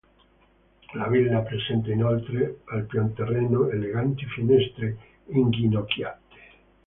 La villa presenta, inoltre, al pianterreno, eleganti finestre inginocchiate.